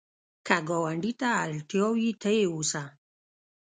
که ګاونډي ته اړتیا وي، ته یې وسه